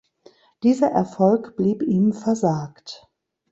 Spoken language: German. Dieser "Erfolg" blieb ihm versagt.